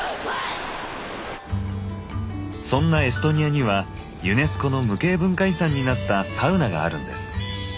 そんなエストニアにはユネスコの無形文化遺産になったサウナがあるんです。